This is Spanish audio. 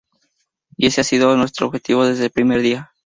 Y ese ha sido nuestro objetivo desde el primer día.